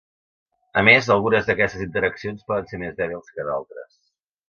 A més, algunes d"aquestes interaccions poden ser més dèbils que d"altres.